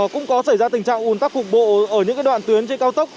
cũng có xảy ra tình trạng ủn tắc cục bộ ở những đoạn tuyến trên cao tốc